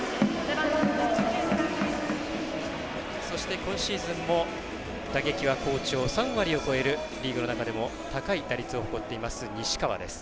そして、今シーズンも打撃は好調３割を超える、リーグの中でも高い打率を誇っている西川です。